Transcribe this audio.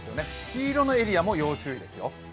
黄色のエリアも要注意ですよ。